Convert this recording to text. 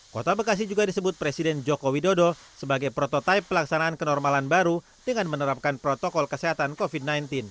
kota bekasi juga disebut presiden joko widodo sebagai prototipe pelaksanaan kenormalan baru dengan menerapkan protokol kesehatan covid sembilan belas